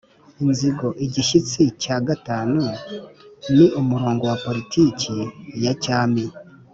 inzigo. igishyitsi cya gatanu ni umurongo wa politiki ya cyami.